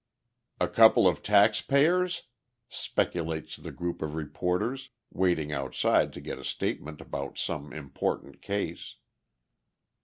"A couple of taxpayers?" speculates the group of reporters, waiting outside to get a statement about some important case.